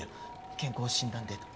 健康診断デート。